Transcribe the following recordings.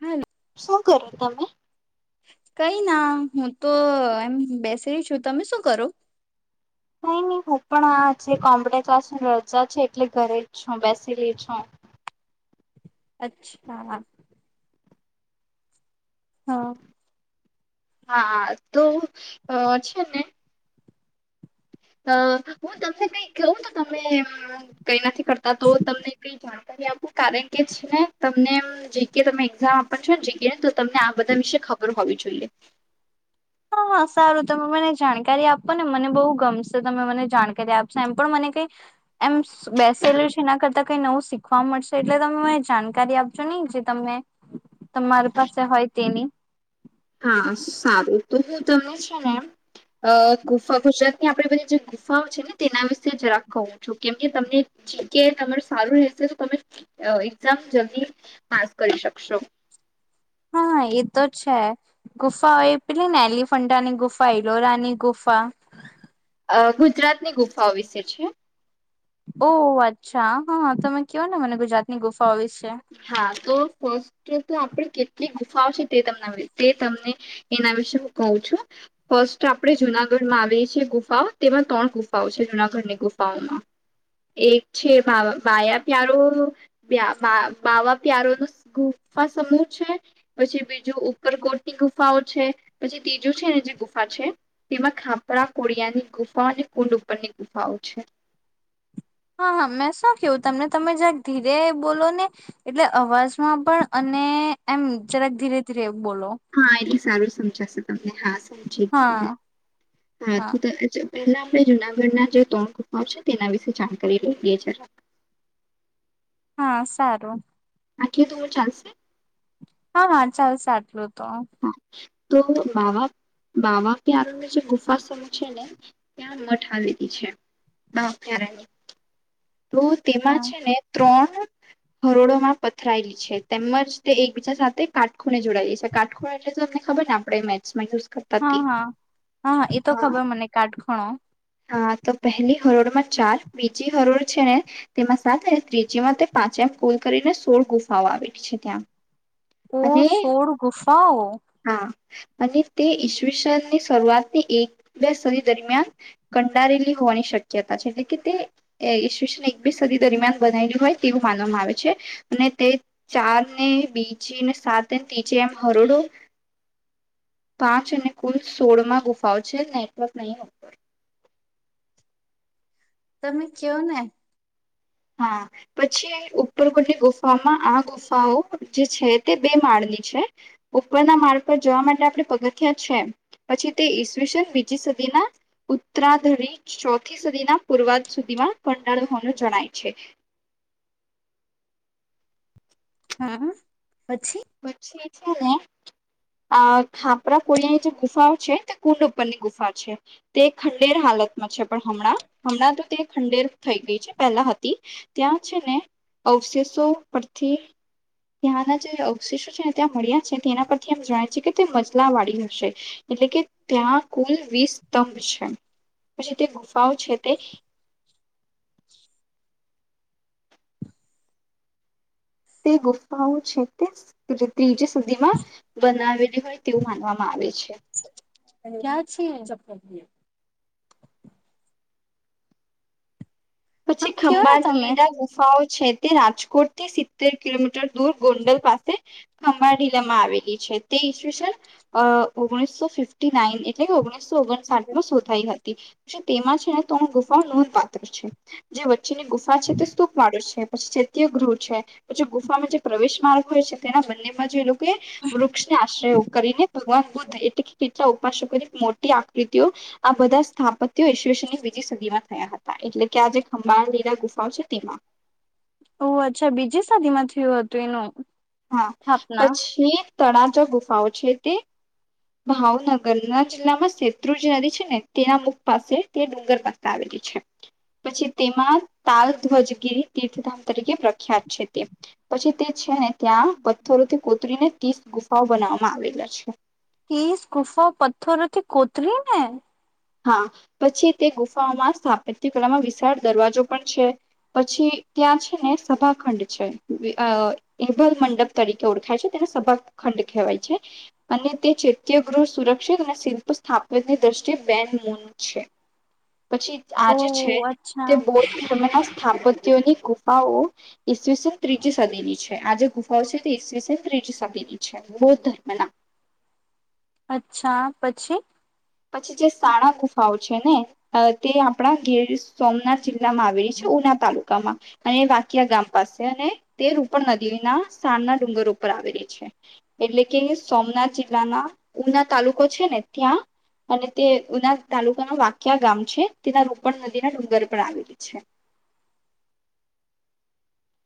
હા શું કરો તમે કઈ ના હું તો એમ બેસી છું તમે શું કરો નહી નહી હું પણ આજે કોમ્બડ ક્લાસની રજા છે એટલે ઘરે જ છું બેસીલી છું અચ્છા હા હા તો છે ને અ હું તમને કઈ કઉં તો તમે કઈ નથી કરતા તો તમને કઈ જાણ કે આપું કારણ કે છે ને તમને જે કે તમે એક્ઝામ આપો છો ને જે કે તમને આ બધા વિશેે ખબર હોવી જોઈએ [inaudible] [inaudible] હા હા સારું તમે મને જાણકારી આપો ને મને બહુ ગમશે તમે મને જાણકારી આપશો એમ પણ મને કઈ એમ બેસેલું છે એના કરતા કઈ નવું શીખવા મળશે એટલે તમે મને જાણકારી આપજો નહી જે તમે તમારી પાસે હોય તેની હા સારું તો હું તમને છે ને અ ગૂફા ગુજરાત આપે બધી જે ગુફાઓ છે ને તેના વિશે જ રાખ કું છું કેમકે તમનેી કે તમાર સારું રહેશે તો તમે એક્ઝામ જલ્દી પાસ કરી શકશો હા એ તો છે ગુફાઓ એ પેલી ને એલિફન્ટાની ગુફા હિલોરાની ગુફા અ ગુજરાત ની ગુફાઓ વિશે છે ઓહ અચ્છા હા તમે કવો ને મને ગુજરાતની ગુફ ભવિષ્ય ફસ્ટ તો આપણે કેટલી ગુફાઓ છે તે તમ તે તમને એના વિશે હું કહું છું ફર્સ્ટ આપણે જુનાગઢમાં આવીએ છેએ ગુફાઓ તેમાં ત્રણ ગુફાઓ છે જુનાગઢની ગુફાઓમાં એક છે મ માયા પ્યારો બાવા પ્યારો ન ગુફા સમૂહ છે પછી બીજું ઉપરકોટની ગુફાઓ છે પછી ત્રીજું છે ને જે ગુફા છે તેમાં ખાપરા કોળિયાની ગુફા અને કુંડ ઉપરની ગુફાઓ છે હા હા મેં શું કેવું તમને તમે જક ધીરે બોલો ને એટલે અવાજમાં પણ અને એમ જરાક ધીરે ધીરે બોલો હા એટલી સારું સમજ જ છેમ [inaudible] હા સામજી હા હા તું પહેલા આપણે જુનાગઢના જે ત્રણ ગુફઓ છે તેના વિશે જાણકારી લઈ લઈ જરા હા સારું આખી તુવેર ચાલશે હા હા ચાલ સા આટલું હત તો હા તો બાવા બાવા પ્યારાની જે ગુફા સમૂહ છે ને ત્યાં મઠ આવે છે બાવા પ્યારાની તો તેમાં હા છે ને ત્રણ કરોડોમાં પથરાયેલી છે તેમજ તે એકબીજા સાથે કાટખોણે જોડાયેલી છે કાટખોણે એટલે તો તમને ખબર ને આપણે મેસમાં જો હા હા હા હા એતો ખબર મને કાટ ખણો હા તો પહેલી હરોળ માં ચાર બીજી હરોળ છેને તેમાં સાથે ત્રીજીમાં તે પાંચેમ કુલ કરીને સોળ ગુફાઓ આવેલી છે ત્યાં. ઓ અને શોર ઘુસાઓ. હા અને તે ઈશ્વીસનની શરૂઆતની એક બે સદી દરમિયાન કંડારેલી હોવાની શક્યતા છે એટલે કે તે એકસ સદી દરમિયાન બનાયું હોય તેવું માનવામાં આવે છે અને તે ચાર ને બીજીને સાત ત્રીજ એમ હરોડો પાંચ અને કુલ સોળમાં ગુફાઓ છે નેટવર્ક નહી. તમે કયો ને. હા પછી ઉપરકોટની ગુફાઓમાં આ ગુફાઓ જે છે તે બે માળની છે ઉપરના માળ પર જવા માટે આપણે પગથયા છે પછી તે ઈસવીસન બીજી સદીના ઉત્તરાધારી ચોથી સદીના પૂર્વા સુધીમાં કંડાળો હોવાનું જણાય. અચ્છા હા પછી. પછી છે ને આ ખાપરા કોળિયાની જે ગુફા છે તે કુંડ ઉપરની ગુફા છે તે ખંડેર હાલતમાં છે પણ હમણાં હમણાં તો તે ખંડેર થઈ ગઈ છે પહેલા હતી ત્યાં છે ને અવશેષો પરથી ત્યાંના જે અવશેષો છે ત્યાં મળ્યા છે તેના પરથીમ જણાય છે કે તે મજલા વાળી હશે એટલે કે ત્યાં કુલ વીસ સ્તંભ છે પછી તે ગુફાઓ છે તે તે ગુફાઓ છે તે ત્રીજ સુધીમાં બનાવેલી હોય તેવું માનવામાં આવે છે. ક્યાં છે. હા પછી કયો ને ખંભા તમે લીધા ગુફાઓ છે. રાજકોટથી સિત્તેર કિલોમીટર દૂર ગોંડલ પાસે ખંભાડીલામાં આવેલી છે તે ઈ છેન ઓગણીસો ફિફ્ટી નાઈન એટલે કે ઓગણી સો ઓગણસાઠ માં શોધાઈ હતી. પ તેમાં છે ને તોણ ગુફાઓ નોંધપાત્ર છે. જે વચ્ જેની ગુફા છે તે સુૂપ માળે છે. પછી ચૈત્ય ગૃહ છે પછી ગુફામાં જે પ્રવેશ માર્ગ હોય છે તેના બંનેમાં જે લોકો કે વૃક્ષને આશ્રય કરીને ભગવાન બુદ્ધ એટ કેટલા ઉપાસકો મોટી આકૃતિઓ આ બધા સ્થાપત્ય ઈશવની બીજી સદીમાં થયા હતા એટલે. કે આ જે ખંભાળ લીલા ગુફાઓ છે તેમાં. ઓ અચ્છા બીજી શદી માં થયું હતું એનું હા સ્થાપના પછી. તણા જ ગુફાઓ છે તે ભાવનગર ના જિલ્લામાં શેત્રુજી નદી છે ને તેના મુખ પાસે તે ડુંગર પાસે આવેલી છે પછી તેમાં તાલ ધ્વજગીરી તીર્થધામ તરીકે પ્રખ્યાત છે તે પછી તે છે ને ત્યાં પથ્થરોથી કોતરીને ત્રીસ ગુફાઓ બનાવવામાં આવેલા છે. એસ ગુફા પથ્થરો થી કોતરી ને હા પછી તે ગુફાઓમાં સ્થાપ કલામાં વિશાળ દરવાજો પણ છે પછી ત્યાં છે ને સભાખંડ છે એભલ મંડપ તરીકે ઓળખાય છે તેને સભાખંડ કહેવાય છે અને તે ચૈત્ય ગૃહ સુરક્ષિત અને શિલ્પ સ્થાપિતની દ્રષ્ટિએ ન મન છે. પછી ઓ આજે છે અચ્છા તે બો તમેના સ્થાપત્યની ગુ ગુફાઓ ઈસવીસ ત્રીજી સદી ની છે આજ ગુફાઓ છે તે ઈસવીસે ત્રીજી સદીની છે બૌદ્ધ ધર્મના. અચ્છા પછી. પછી જે સાળ ગુફાઓ છે ને તે આપણા ગીર સોમનાથ જિલ્લા ના આવેલી છે ઉના તાલુકામાં અને વાકીયા ગામ પાસે અને તે રૂપણ નદીના સાારના ડુંગર ઉપર આવેલી છે એટલે કે સોમનાથ જિલ્લાના ઉના તાલુકો છે ને ત્યાં. અને તે ઉના તાલુકાનું વાક્યા ગામ છે તેના રોપણ નદીના ડુંગર પર આવેલી છે.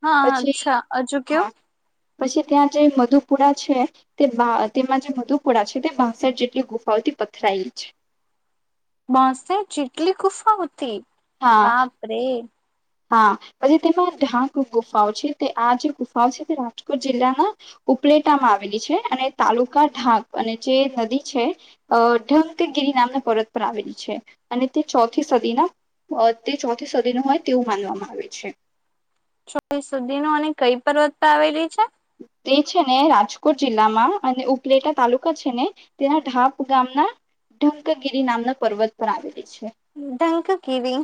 હા પછી અચ્છા હજુ કેયો. હા પછી ત્યાં જે મધુપુરા છે તે તેમાં જે મધુપુરા છે તે બાસઠ જેટલી ગુફાઓથી પથરાયેલી છે. માસે ચીટલી કુફા હોતી. હા પાપ રે. હા પછી તેમાં ઢાંક ગુફાઓ છે તે આ જે ગુફાઓ છે તે રાજકોટ જિલ્લાના ઉપલેટામાં આવેલી છે અને તાલુકા ઢાંક અને જે નદી છે અ ઢંકગીરી નામના પર્વત પર આવેલી છે અને તે ચોથી સદીના તે ચોથી સદી ન હોય તેવું માનવામાં આવે છે. છો સુધી નો અને કઈ પર્વત પર આવેલી છે? તે છે ને રાજકોટ જિલ્લામાં અને ઉપલેટા તાલુકા છે ને તેના ઢાપ ગામના ઢંકગીરી નામના પર્વત પર આવેલી છે. ડંકાકીવી.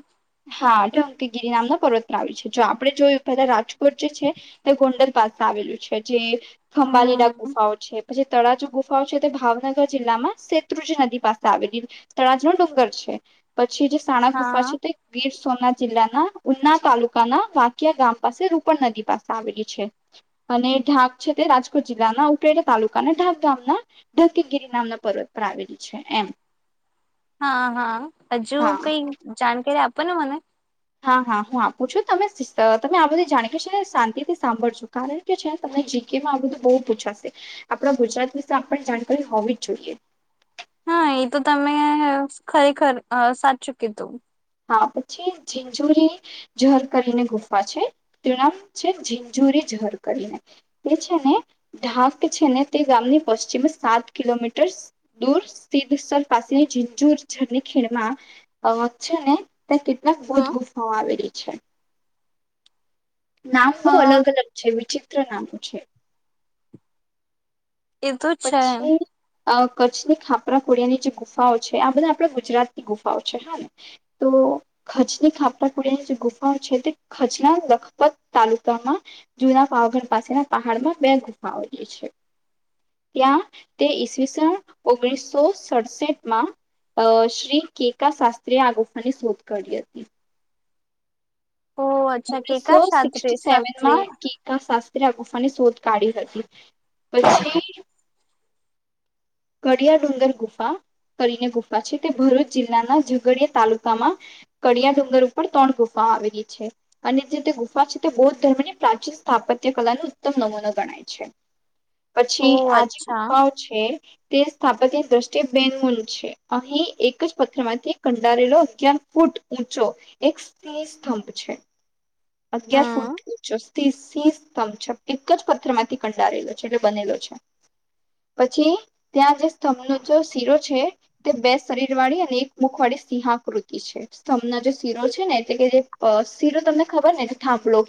કે ગિરિ નામના પર્વત આવી છે. જો આપણે જોયું પેલા રાજકોટ જે છે તે ગોંડલ પાસે આવેલું ચછ જે ખંભાલી ના હમ ગુફાઓ છે. પછી તળાજુ ગુફાઓ છે તે ભાવનગર જિલ્લામાં શેત્રુજી નદી પાસે આવેલી તળાજુ ન ડુંગર છે. પ છી જે સાણા ગુફા હા છે તે ગીર સોમનાથ જિલ્લાના ઉના તાલુકાના વાકીયા ગામ પાસે રૂપણ નદી પાસે આવેલી છે. અને ઢાક છે તે રાજકોટ જિલ્લાના ઉપરેડા તાલુકાના ઢાક ગામના ઢંકગીરી નામના પર્વત પર આવેલી છે એમ. હા હા હજુ હા કઈ જાણકારી આપ પો ને મને. હા હા હું આપું છું તમે તમે આ બધી જાણ કે છે ને શાંતિથી સાંભળ છો કારણ કે છેને તમને જીકેમાં આ બધું બહુ પૂછાશે. આપણા ગુજરાત વિશે આપણ જાણકારી હોવી જ જોઈએ. હા એ તો તમે ખરેખર અ સાચું કીધુ. હા પછી ઝિંજુરી ઝર કરીને ગુફા છે. તેનું નામ છે ઝિંજુરી ઝર કરીને તે છે ને ઢાક છે ને તે ગામની પશ્ચિમે સાત કિલોમીટર દૂર સીધસર પાસેની ઝિંઝુર રની ખીણમાં અ છે ને. કેટલાક બોધ હમ ગુફાઓ આવેલી. અચ્છા. નામ બહુ હા અલગ અલગ છે વિ ત્ર નામ પૂછે. એ તો છે. અ કચ્છની ખાપરાખુડિયાની જે ગુફાઓ છે આ બધા આપણા ગુજરાતની ગુફાઓ છે. હા ને તો કચ્છની ખાપરાખુડિયાની જે ગુફાઓ છે તે કચ્છના લખપત તાલુકામાં જુના પાવાગઢ પાસેના પહાડમાં બે ગુફાઓ જે છે. ત્યાં તે ઈસવીસન ઓગણીસો સડસઠ માં અ શ્રી કેકા શાસ્ત્રી એ આ ગુફાની શોધ કાઢી હતી. ઓહ અચ્છા કેકા ઓગણીસો શાસ્ત્રી સિકટી શાસ્ત્રી સેવનમાં કે કા શાસ્ ત્રી એ આ ગુફા ની સોધ કાઢી હતી. પછી કળિયા ડુંગર ગુફા કરીને ગુફા છે તે ભરૂચ જિલ્લાના ઝઘડીયા તાલુકામાં કડીયા ડુંગર ઉપર ત્રણ ગુફા આવેલી છે અને જે તે ગુફા છે તે બૌદ્ધ ધર્મની પ્રાચીન સ્થાપત્ય કલા નો ઉત્તમ નમૂનો ગણાય છે. પછી ઓહ આજ અચ્છા ગુફાઓ છે. તે સ્થાપત્ય દ્રષ્ટિએ બે ગુન છે. અહીં એક જ પથ્થર માંથી કંડારેલો અગિયાર ફૂટ ઊંચો એક સ્હ સ્તંભ છે. અગિયાર હમ ફૂટ ઊંચો [unintelligible] સ્તંછ એક જ પથર માંથી કંડારેલો છે એટલે બનેલો છે. પછી ત્યાં જે સ્તંભનો જે શીરો છે તે બે શરીર વાળી અને એક મુખ વાળી સિંહાકૃતિ છે સ્તંભનો જે શીરો છે ને એટલે કે જે શીરો તમને ખબર ને કે થાભલો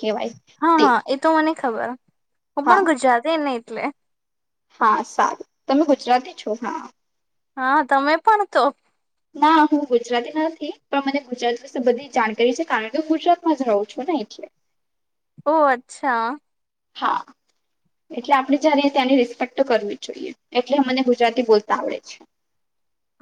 હા હા એ તો મને ખબર હું હા પણ ગુજરાતી નહ. ટલે હા સારું તમે ગુજરાતી છો હા. હા તમે પણ તો ના હું ગુજરાતી નથી પણ મને ગુજરાતી વિશે બધી જાણકારી છે કારણ કે હું ગુજરાતમાં જ રહું છું ને એટલે. ઓહ અચ્છા. હા એટલે આપણે જ્યારે ત્યાંની રિસ્પેક્ટ કરવી જોઈએ એટલે મને ગુજરાતી બોલતા આવડે છે.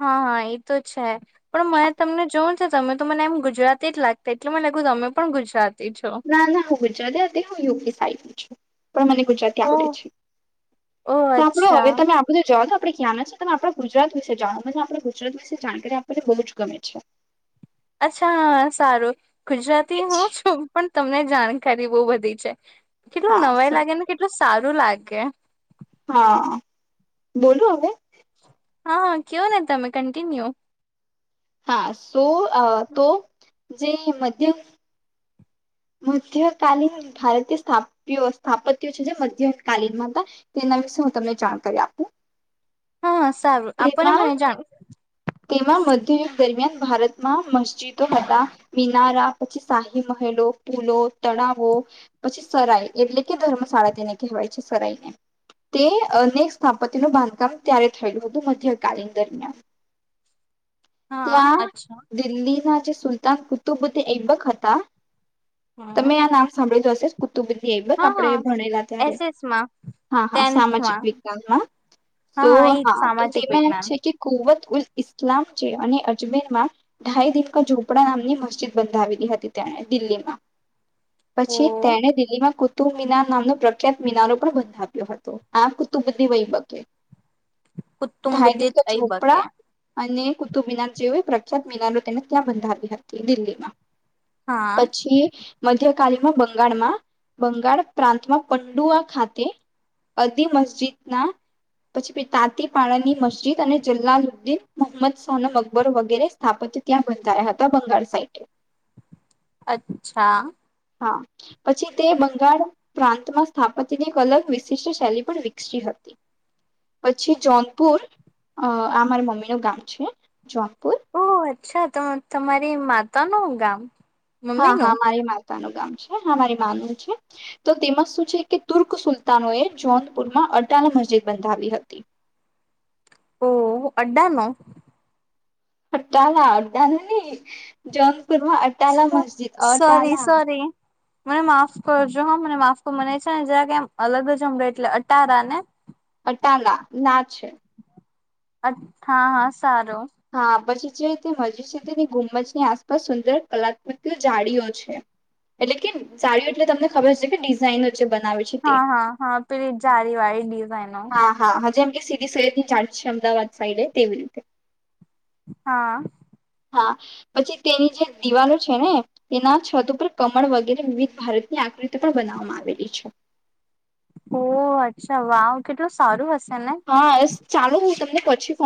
હા હા એ તો છે પણ મને હા. તમને જોવું છે તમે તો મને એમ ગુજરાતી જ લાગતા એટલે મને લખ્યું તમે પણ ગુજરાતી છો ના ના હુંવે જા હું યું સાઈડ છું પણ મને ગુજરાતી આવડે ઓહ છે ઓહ તો આપણું અચ્છા હવે તમે આપણને જવા દો. આપણે ક્યાંના છે ત આપણા ગુજરાત વિશે જાણવાનું છે આપણા ગુજરાત વિશે જાણકારી આપણને બહુ જ ગમે છે. અચ્છા સારું ગુજરાતી હું છું પણ તમને જાણકારી બહુ બધી છે કેટલું હા નવાય લાગે ને કેટલું સારું લાગે હા બોલું હવે હા કયો ને તમે કન્ટિન્યુ હા સો તો જે મધ્યમ મધ્યકાલીન ભારતીય સ્ સ્થાપત્ય છે જે મધ્યકાલીન મા હતા તેના વિશે હું તમને જાણકારી આપું હા સારું આપણને તેમાં મને જાણ તેમાં મધ્યયુગ દરમિયાન ભારતમાં મ જિદો હત હી મ નારા પછી શાહી મહેલો પૂલો તળાવો પછી સરાય એટલે કે ધર્મશાળા તેને કહેવાય છે સરાઈને તેને સ્થાપ્ય નુ બાંધકામ ત્યારે થયેલું હતું મધ્યકાલીન દરમિયાન હા ત્યાં અચ્છા દિલ્હી ના સુલતાન કુતુબ એઈબક હતા હમ તમે આ નામ સાંભળી તો હશે કુટુંબીએબક હા આપ હા ભણેલા ત્યારે એસએસમાં હા હા સામાજિક ટેન્થમાં વિકાસમાં હા તો એજ હા તો સામાજિક તેમાં એમ વિજ્ઞાન છે કે ખુવટ ઉ ઇલામ અને અજમેરમાંઢાઈ દીનકા ઝોપડા નામની મસ્જિદ બંધાવીલી હતી તેણે દિલ્હીમાં ઓ પછી તેને દિલ્હીમાં કૂ કુતુ મીના નામનો પ્રખ્યાત મિનારો પણ બંધ આપ્યો હતો આ કુતુ બી વહીબકે કુતુમ ધઢાય દીક બુદ્ધિત અ બકે ઝોપડા અને તો મિના જેવએ પ્રખ્યાત મિના તેને ત્યાં બંધાવી હતી દિલ્હીમાં. હા પછી મધ્ય કામાં બંગાળમાં બંગાળ પ્રાંતમાં પંડુઆ ખાતે અદી મસ્જિદ ના પછી તાતીપળની મસ્જિદ અને જલાલુદ્દીન મોહમ્મદ મકબરો વગેરે સ્થાપત્ય ત્યાં બંધાયા હતા બંગાળ સાઇટે અચ્છા હા પછી તે બંગાળ પ્રાંતમાં સ્થાપત્યની એક અલગ વિશિષ્ટ શૈલી પણ વિકસી હતી પછી જોનપુર આ મારા મમ્મી નું ગામ છે જોપપુર ઓહ અચ્છા તો તમારી માતા નું ગામ મમ્મી હા હા નું મારી મા હા મારી માનું છે તો તેમાં શું છે કે તુર્ક સુલતાનો એ જોનપુરમાં અટાલ મસ્જિદ બંધાવી હતી ઓહ અડાનો હટાલા અડાલા ન ની પૂરમાં અટાલા મસ્જિદ સોરી અટાલા સોરી મને માફ કરજો હા મને માફ મનેય છે ને જરા કેમ અલગ જ હમરાય એટલે અટારા ને પટાંગ ના છે અથા હા સારું હા પછી તે મજીદ તેની ગુમજની આસપાસ સુંદર કલાત્મક જાડીઓ છે એટલે કે જાડીઓ એટલે તમને ખબર છે કે ડિઝાઇનો જે બનાવે છે તે હા હા હા પલી જારી વાળી [inaudible] હા હા હા જેમ કે સૈયદની જાડી છે અમદાવાદ સાઈડે તેવી રીતે હા હા પછી તેની જે દિવાલો છે ને તેના છત ઉપર કમળ વગેરે વિવિધ ભારતની આકૃતિ પણ બનાવવામાં આવેલી છે ઓ અચ્છા વાવ કેટલું સારું હત હા ચાલો હું તમને પછી ફો